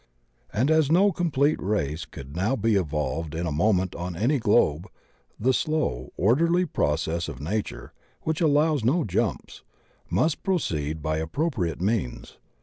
And as no complete race could be evolved in a moment on any globe, the slow, orderly processes of nature, which allow no jumps, must proceed by ap propriate means.